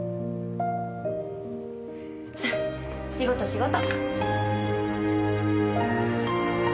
さあ仕事仕事！